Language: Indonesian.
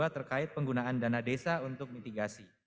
terkait penggunaan dana desa untuk mitigasi